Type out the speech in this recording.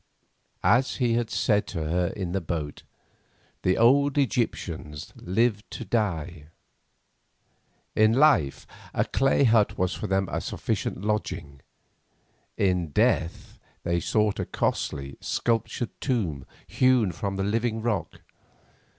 As he had said to her in the boat, the old Egyptians lived to die. In life a clay hut was for them a sufficient lodging; in death they sought a costly, sculptured tomb, hewn from the living rock.